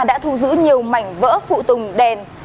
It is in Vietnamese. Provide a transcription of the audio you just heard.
đã thu giữ nhiều mảnh vỡ phụ tùng đèn